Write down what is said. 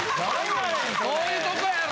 そういうとこやろ！